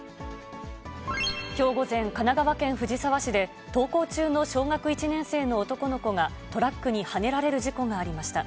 きょう午前、神奈川県藤沢市で、登校中の小学１年生の男の子がトラックにはねられる事故がありました。